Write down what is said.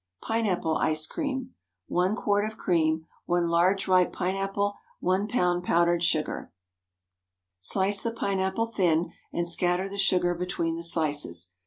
PINE APPLE ICE CREAM. ✠ 1 quart of cream. 1 large ripe pine apple. 1 lb. powdered sugar. Slice the pine apple thin, and scatter the sugar between the slices.